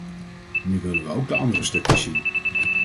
Nu willen we ook de andere stukjes zien.